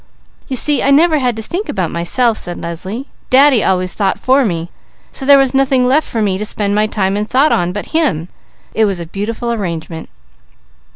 "You see, I never had to think about myself," said Leslie. "Daddy always thought for me, so there was nothing left for me to spend my time and thought on but him. It was a beautiful arrangement."